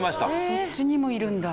そっちにもいるんだ。